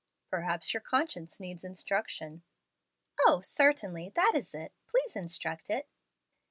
"Perhaps your conscience needs instruction." "O, certainly, that is it! Please instruct it."